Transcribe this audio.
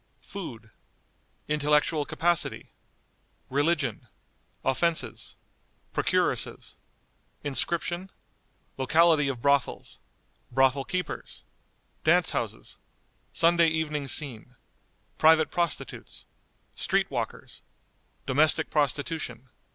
Food. Intellectual Capacity. Religion. Offenses. Procuresses. Inscription. Locality of Brothels. Brothel keepers. Dance houses. Sunday Evening Scene. Private Prostitutes. Street walkers. Domestic Prostitution.